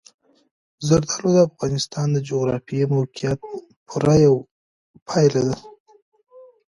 زردالو د افغانستان د جغرافیایي موقیعت پوره یوه پایله ده.